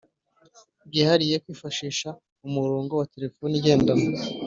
byihariye kwifashisha umurongo wa telefoni igendanwa